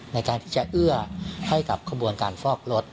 ในการที่จะเอื้อให้กับขบวนการฟอกรถ